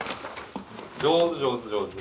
上手上手上手。